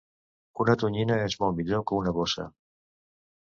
Una tonyina és molt millor que una gossa